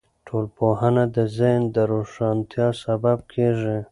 ټولنپوهنه د ذهن د روښانتیا سبب کیږي.